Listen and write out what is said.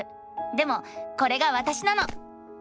でもこれがわたしなの！